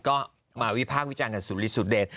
ก็มาวิพากษ์วิจารณ์กับสุริสุเดช